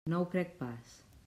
No ho crec pas.